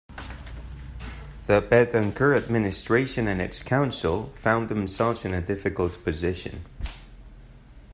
The Betancur administration and its council found themselves in a difficult position.